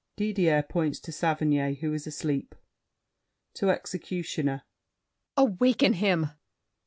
[Didier points to Saverny, who is asleep. [To Executioner.] Awaken him!